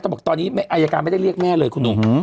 บอกตอนนี้อายการไม่ได้เรียกแม่เลยคุณหนุ่ม